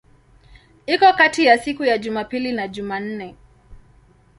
Iko kati ya siku za Jumapili na Jumanne.